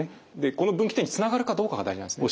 この分岐点につながるかどうかが大事なんですね。